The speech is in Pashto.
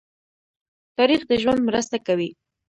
تاریخ د ژوند مرسته کوي.